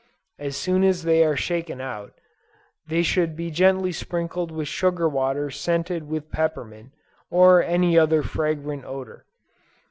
As soon as they are shaken out, they should be gently sprinkled with sugar water scented with peppermint, or any other fragrant odor.